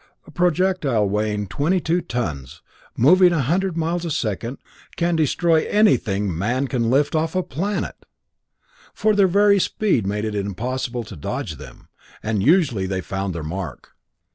A projectile weighing twenty two tons, moving a hundred miles a second, can destroy anything man can lift off a planet! Their very speed made it impossible to dodge them, and usually they found their mark.